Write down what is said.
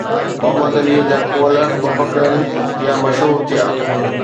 محمد عليءَ جا قول مفڪرن جيان مشهور ٿيا